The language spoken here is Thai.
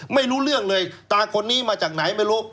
ไม่รู้เรื่องเลยตาคนนี้มาจากไหนไม่รู้